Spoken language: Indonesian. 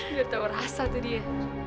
biar tahu rasa tuh dia